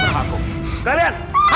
kamu tetap dengan aku